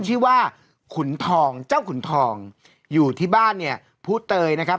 ชื่อว่าขุนทองเจ้าขุนทองอยู่ที่บ้านเนี่ยผู้เตยนะครับ